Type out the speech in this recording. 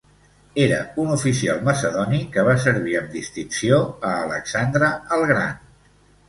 Era un oficial macedoni que va servir amb distinció a Alexandre el Gran.